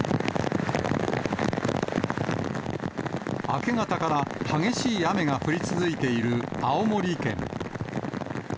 明け方から激しい雨が降り続いている青森県。